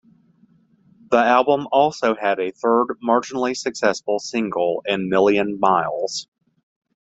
The album also had a third marginally successful single in "Million Miles".